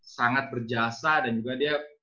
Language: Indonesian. sangat berjasa dan juga dia